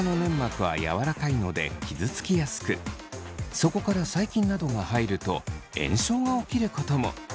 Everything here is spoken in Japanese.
そこから細菌などが入ると炎症が起きることも。